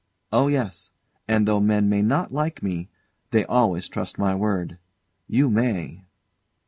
Oh yes; and though men may not like me, they always trust my word. You may.